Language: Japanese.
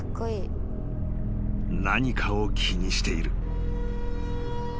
［何かを気にしている］